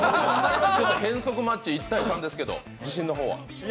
変則マッチ１対３ですけど自信のほどは？